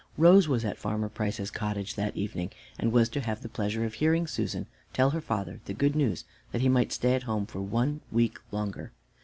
Rose was at Farmer Price's cottage that evening, and was to have the pleasure of hearing Susan tell her father the good news that he might stay at home for one week longer.